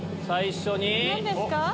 最初に。